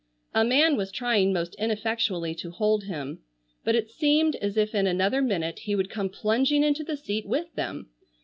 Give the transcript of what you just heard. A man was trying most ineffectually to hold him, but it seemed as if in another minute he would come plunging into the seat with them.